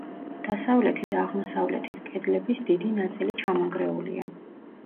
დასავლეთი და აღმოსავლეთი კედლების დიდი ნაწილი ჩამონგრეულია.